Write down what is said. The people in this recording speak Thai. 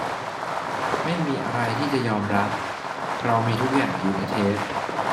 ไม่มีอะไรที่จะยอมรับ เรามีทุกอย่างอยู่ในเทป